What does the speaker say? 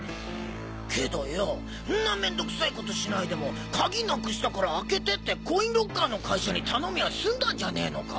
けどよんな面倒くさいことしないでも「鍵なくしたから開けて」ってコインロッカーの会社に頼みゃ済んだんじゃねぇのか？